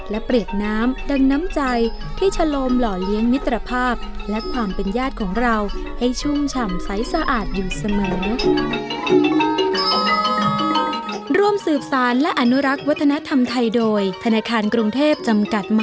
และเปรียบน้ำดังน้ำใจที่ชะโลมหล่อเลี้ยงมิตรภาพและความเป็นญาติของเราให้ชุ่มฉ่ำใสสะอาดอยู่เสมอ